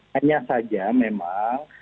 hanya saja memang